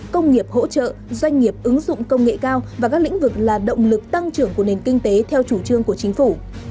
công nghiệp hỗ trợ doanh nghiệp ứng dụng công nghệ cao và các lĩnh vực là động lực tăng trưởng của nền kinh tế theo chủ trương của chính phủ